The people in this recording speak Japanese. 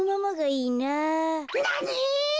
なに！？